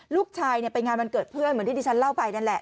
ลูกชายไปงานวันเกิดเพื่อนเหมือนที่ดิฉันเล่าไปนั่นแหละ